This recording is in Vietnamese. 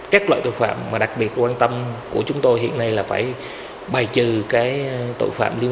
các loại tội phạm mà đặc biệt quan tâm của chúng tôi hiện nay là phải bài trừ cái tội phạm liên